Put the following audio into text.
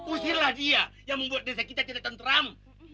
usirlah dia yang membuat desa kita tidak tentram